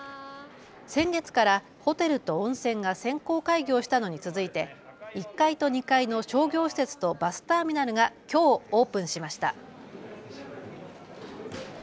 先月からホテルと温泉が先行開業したのに続いて１階と２階の商業施設とバスターミナルがきょうオープンしました。